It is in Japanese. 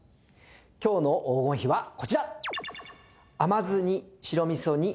今日の黄金比はこちら！